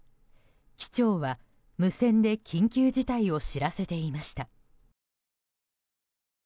機長は無線で緊急事態を知らせていました。